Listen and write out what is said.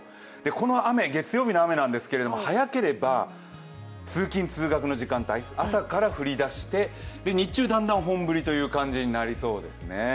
この月曜日の雨なんですけれども、早ければ通勤・通学の時間帯朝から降り出して、日中だんだん本降りという感じになりそうです。